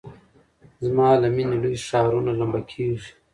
زما له میني لوی ښارونه لمبه کیږي